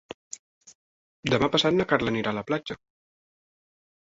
Demà passat na Carla anirà a la platja.